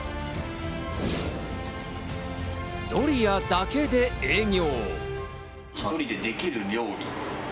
ドリアだけで営業。